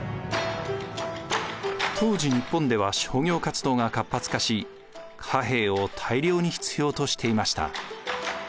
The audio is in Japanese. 当時日本では商業活動が活発化し貨幣を大量に必要としていました。